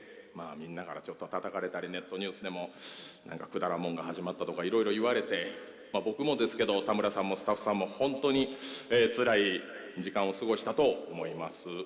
みんなからちょっとたたかれたりネットニュースでもくだらんもんが始まったとかいろいろ言われて僕もですけど、田村さんもスタッフさんも本当につらい時間を過ごしたと思います。